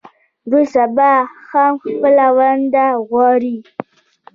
دوی سبا هم خپله ونډه غواړي.